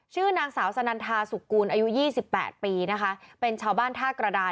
ชื่อนางสาวสนันทาสุกูลอายุ๒๘ปีเป็นชาวบ้านท่ากระดาน